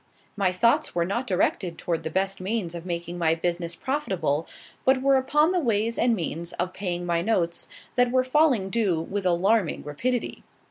My thoughts were not directed toward the best means of making my business profitable, but were upon the ways and means of paying my notes, that were falling due with alarming rapidity.